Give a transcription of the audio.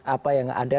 apa yang ada